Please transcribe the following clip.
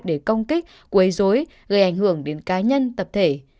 để công kích quấy dối gây ảnh hưởng đến cá nhân tập thể